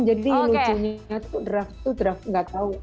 jadi lucunya itu draft draft enggak tahu